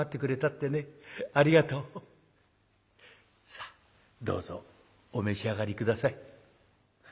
「さあどうぞお召し上がり下さい。